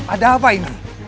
ada apa ini